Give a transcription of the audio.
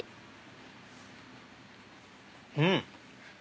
うん！